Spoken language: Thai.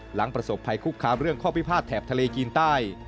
หลังประสบภัยคุกคามเรื่องข้อพิพาทแถบทะเลจีนใต้